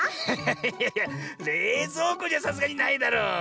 いやいやれいぞうこにはさすがにないだろう。